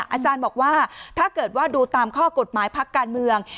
อาจารย์บอกว่าถ้าเกิดว่าดูตามข้อกฎหมายพักการเมือง